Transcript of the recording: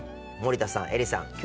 森田さん映里さん